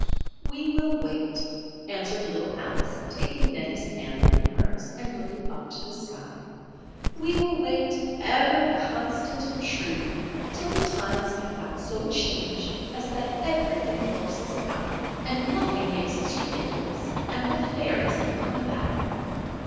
"We will wait," answered little Alice, taking Nettie's hand in hers, and looking up to the sky, "we will wait ever constant and true till the times have got so changed as that everything helps us out, and nothing makes us ridiculous, and the fairies have come back.